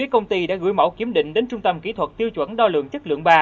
công ty đã gửi mẫu kiểm định đến trung tâm kỹ thuật tiêu chuẩn đo lượng chất lượng ba